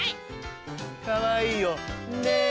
かわいいよ。ね。